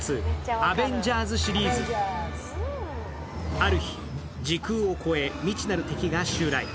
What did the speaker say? ある日、時空を超え、未知なる敵が襲来。